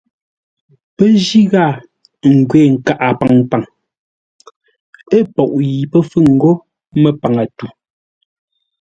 Pə́ jí ghâa n ngwê nkaʼa paŋpaŋ ə́ poʼ yi pə́ fûŋ ńgó mə́páŋə-tû.